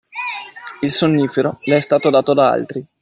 Il sonnifero le è stato dato da altri.